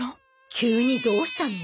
急にどうしたの？